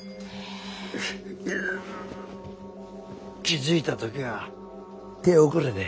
気付いた時には手遅れで。